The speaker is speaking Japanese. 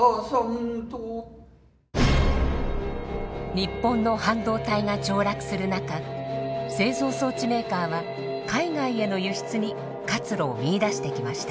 日本の半導体が凋落する中製造装置メーカーは海外への輸出に活路を見いだしてきました。